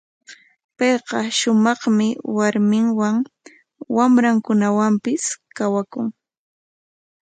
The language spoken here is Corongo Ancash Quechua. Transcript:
Payqa shumaqmi warminwan, wamrankunawanpis kawakun.